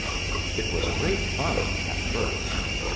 It was great fun, at first.